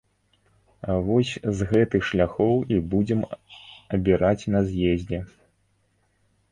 Вось з гэты шляхоў і будзем абіраць на з'ездзе.